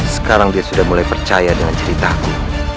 sekarang dia sudah mulai percaya dengan ceritaku